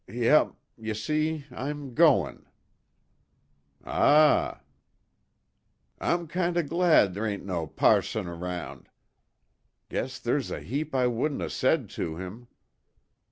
"Yep y' see I'm goin'." "Ah." "I'm kind o' glad ther' ain't no passon around. Guess ther's a heap I wouldn't 'a' said to him."